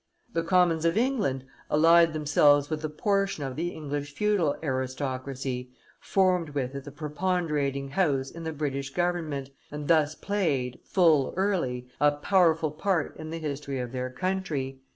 The commons of England allied themselves with a portion of the English feudal aristocracy, formed with it the preponderating house in the British government, and thus played, full early, a powerful part in the history of their country.